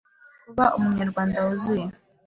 Kuba uri Umunyarwanda wuzuye